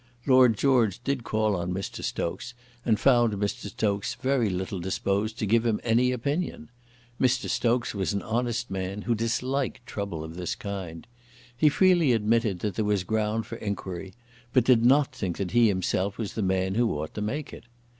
Lord George did call on Mr. Stokes, and found Mr. Stokes very little disposed to give him any opinion. Mr. Stokes was an honest man who disliked trouble of this kind. He freely admitted that there was ground for enquiry, but did not think that he himself was the man who ought to make it.